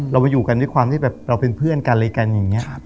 เราไปอยู่กันด้วยความที่แบบเราเป็นเพื่อนกันอะไรกันอย่างนี้